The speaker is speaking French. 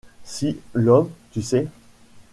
Si, l’Homme, tu sais ?…